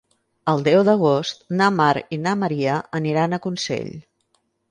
El deu d'agost na Mar i na Maria aniran a Consell.